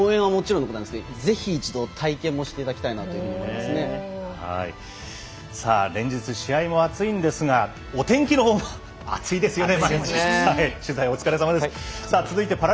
なので、応援はもちろんのことなんですけどぜひ一度体験もしていただきたいなというふうにさあ、連日試合も熱いんですがお天気のほうも暑いですよね。